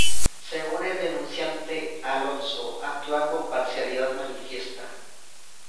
Según el denunciante Alonso actúa con parcialidad manifiesta.